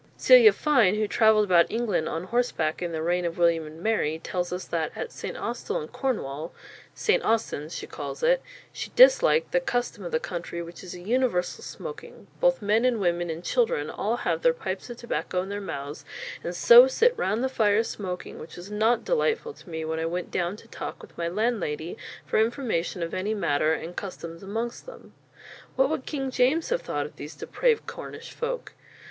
Celia Fiennes, who travelled about England on horseback in the reign of William and Mary, tells us that at St. Austell in Cornwall ("St. Austins," she calls it) she disliked "the custome of the country which is a universal smoaking; both men, women, and children have all their pipes of tobacco in their mouths and soe sit round the fire smoaking, which was not delightful to me when I went down to talk with my Landlady for information of any matter and customes amongst them." What would King James have thought of these depraved Cornish folk?